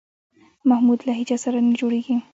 محمود له هېچا سره نه جوړېږي.